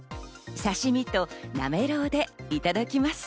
刺し身となめろうでいただきます。